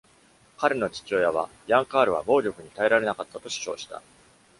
彼の父親はヤン＝カールは暴力に耐えられなかったと主張した。